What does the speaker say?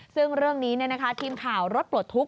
ซึ่งเรื่องนี้เนี่ยนะคะทีมข่าวรถปลดทุกข์